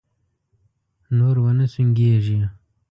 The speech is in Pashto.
نور و نه سونګېږې!